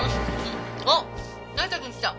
あっ成田君来た。